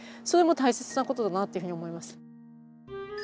それも大切なことだなっていうふうに思います。